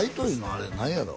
あれ何やろ？